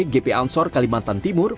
gp ansor kalimantan timur